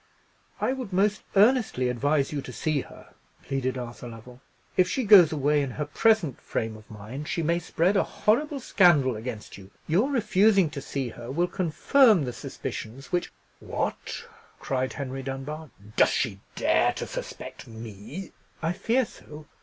"I would most earnestly advise you to see her," pleaded Arthur Lovell; "if she goes away in her present frame of mind, she may spread a horrible scandal against you. Your refusing to see her will confirm the suspicions which——" "What!" cried Henry Dunbar; "does she dare to suspect me?" "I fear so."